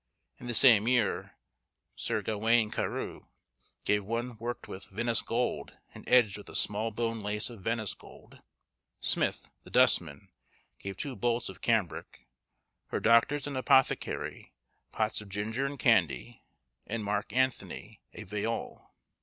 In the same year, Sir Gawen Carew gave one worked with Venice gold, and edged with a small bone lace of Venice gold; Smyth, the dustman, gave two bolts of cambric; her doctors and apothecary, pots of ginger and candy; and Mark Anthony, a violl.